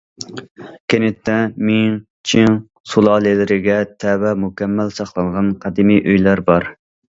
كەنتتە مىڭ، چىڭ سۇلالىلىرىگە تەۋە مۇكەممەل ساقلانغان قەدىمىي ئۆيلەر بار.